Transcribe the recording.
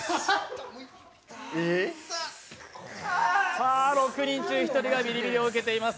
さあ、６人中１人がビリビリを受けています。